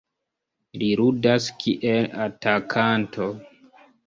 Li ludas kiel atakanto.